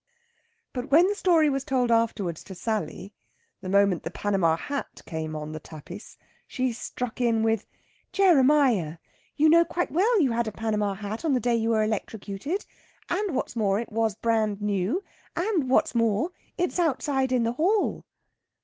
But when the story was told afterwards to Sally, the moment the Panama hat came on the tapis, she struck in with, "Jeremiah! you know quite well you had a Panama hat on the day you were electrocuted. And, what's more, it was brand new! And, what's more, it's outside in the hall!"